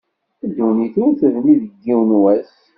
Ddunit ur tebni deg yiwen wass.